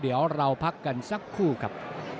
เดี๋ยวเราพักกันสักครู่ครับ